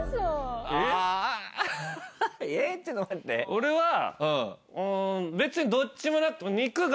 俺は別にどっちもなくても。